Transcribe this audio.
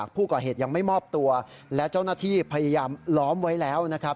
ผู้ก่อเหตุยังไม่มอบตัวและเจ้าหน้าที่พยายามล้อมไว้แล้วนะครับ